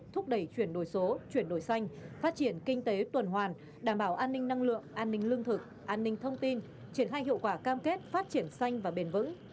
thúc đẩy chuyển đổi số chuyển đổi xanh phát triển kinh tế tuần hoàn đảm bảo an ninh năng lượng an ninh lương thực an ninh thông tin triển khai hiệu quả cam kết phát triển xanh và bền vững